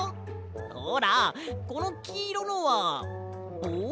ほらこのきいろのはぼう？